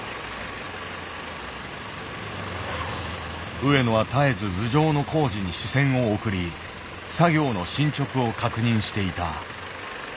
上野は絶えず頭上の工事に視線を送り作業の進捗を確認していた。